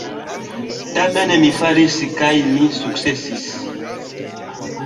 Tamen mi faris, kaj mi sukcesis.